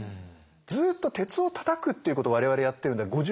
ずっと鉄をたたくっていうことを我々やってるんだよ。